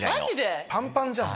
パンパンじゃん！